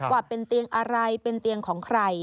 ว่าเป็นเตียงอะไรเป็นเตียงของใคร